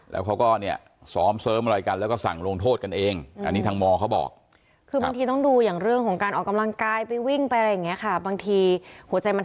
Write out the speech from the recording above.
แล้วเขาก็เนี่ยสอมเสริมอะไรกัน